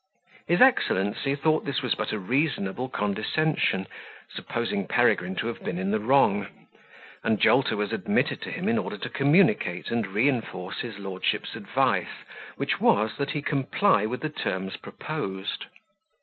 His excellency thought this was but a reasonable condescension, supposing Peregrine to have been in the wrong; and Jolter was admitted to him in order to communicate and reinforce his lordship's advice, which was, that he comply with the terms proposed.